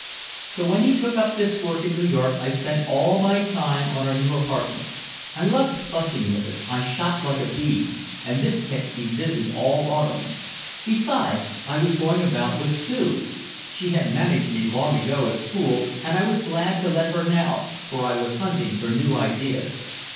"So when he took up this work in New York I spent all my time on our new apartment. I loved fussing with it, I shopped like a bee, and this kept me busy all Autumn. Besides I was going about with Sue. She had managed me long ago at school and I was glad to let her now, for I was hunting for new ideas.